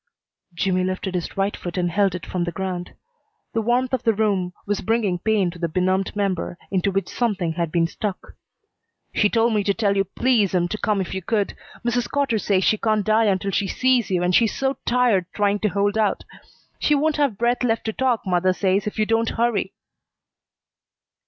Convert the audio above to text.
Jimmy lifted his right foot and held it from the ground. The warmth of the room was bringing pain to the benumbed member into which something had been stuck. "She told me to tell you please, 'm, to come if you could. Mrs. Cotter says she can't die until she sees you, and she's so tired trying to hold out. She won't have breath left to talk, mother says, if you don't hurry."